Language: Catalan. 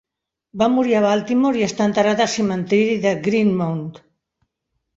Va morir a Baltimore i està enterrat al cementiri de Greenmount.